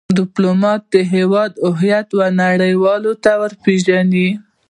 ډيپلومات د هیواد هویت نړېوالو ته ور پېژني.